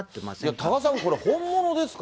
多賀さん、これ、本物ですか？